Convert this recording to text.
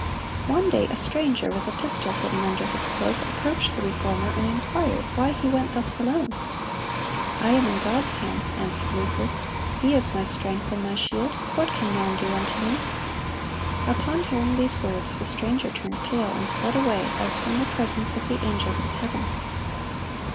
One day a stranger, with a pistol hidden under his cloak, approached the Reformer, and inquired why he went thus alone. "I am in God's hands," answered Luther. "He is my strength and my shield. What can man do unto me?"(187) Upon hearing these words, the stranger turned pale, and fled away, as from the presence of the angels of heaven.